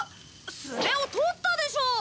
スネ夫取ったでしょ！